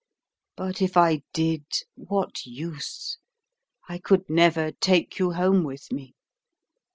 But if I did, what use? I could never take you home with me.